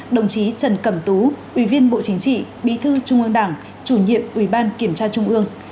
đồng chí trần cẩm tú ủy viên bộ chính trị bí thư trung ương đảng chủ nhiệm ủy ban kiểm tra trung ương